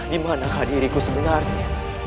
dimana hadiriku sebenarnya